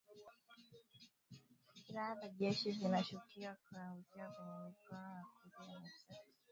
Silaha za jeshi zinashukiwa kuangukia kwenye mikono ya kundi lenye sifa mbaya linalolaumiwa kwa mauaji ya kikabila katika jimbo la kaskazini-mashariki la Ituri